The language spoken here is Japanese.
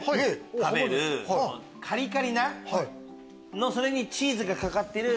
カリカリなそれにチーズがかかってる。